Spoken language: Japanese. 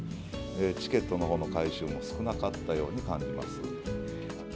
チケットのほうの回収も少なかったように感じます。